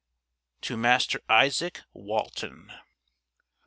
IX. To Master Isaak Walton.